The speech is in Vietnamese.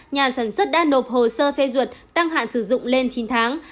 nhà sản xuất đã nộp hồ sơ phê duyệt tăng hạn sử dụng lên chín tháng